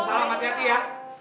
selamat hati hati ya